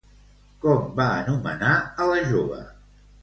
Com va anomenar a la jove?